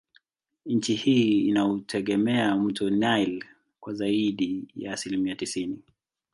Nchi hii inautegemea mto nile kwa zaidi ya asilimia tisini